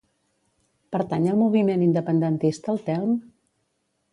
Pertany al moviment independentista el Telm?